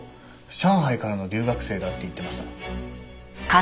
上海からの留学生だって言ってました。